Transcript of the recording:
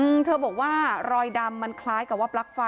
มีแต่เสียงตุ๊กแก่กลางคืนไม่กล้าเข้าห้องน้ำด้วยซ้ำ